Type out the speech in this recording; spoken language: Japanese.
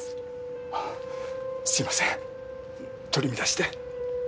あっすいません取り乱して。